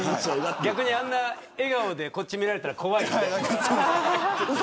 逆にあんな笑顔でこっち見られたら怖い。